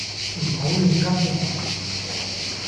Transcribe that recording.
唔好亂噏喎